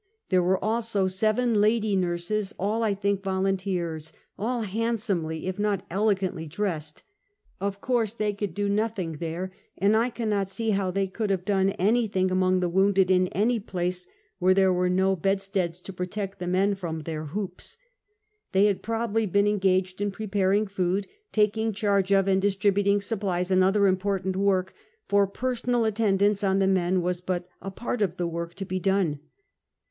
There were also seven lady nurses, all I think volunteers, all handsomely if not elegantly dressed. Of course they could do nothing there, and I cannot see how they could have done anything among the wounded in any place where there were no bed Take Boat and see a Social Party. 343 steads to protect the men from their hoops. They had probably been engaged in preparing food, taking charge of, and distributing supplies and other import ant work, for personal attendance on the men was but a part of the work to be done.